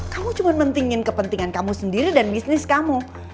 kamu cuma mentingin kepentingan kamu sendiri dan bisnis kamu